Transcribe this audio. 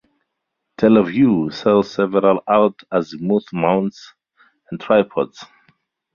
Tele Vue sells several alt-azimuth mounts and tripods.